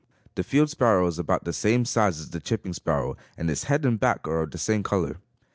The field sparrow is about the same size as the chipping sparrow and its head and back are of the same color.